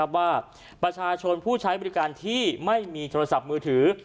ว่าประชาชนผู้ใช้บริการที่ไม่มีโทรศัพท์มือถือ